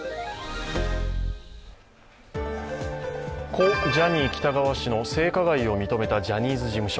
故・ジャニー喜多川氏の性加害を認めたジャニーズ事務所。